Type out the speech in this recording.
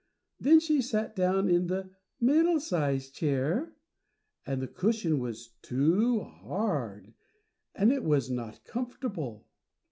Then she sat down in the +middle sized chair+, and the cushion was too hard, and it was not comfortable.